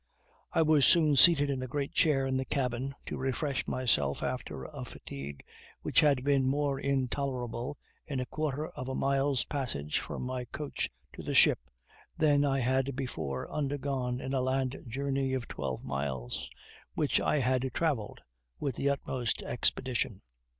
I was soon seated in a great chair in the cabin, to refresh myself after a fatigue which had been more intolerable, in a quarter of a mile's passage from my coach to the ship, than I had before undergone in a land journey of twelve miles, which I had traveled with the utmost expedition.